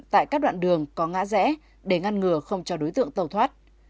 tại các đoạn đường có ngã rẽ để ngăn ngừa không cho đối tượng tàu thoát